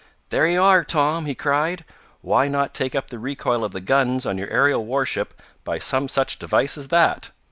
"There you are, Tom!" he cried. "Why not take up the recoil of the guns on your aerial warship by some such device as that?"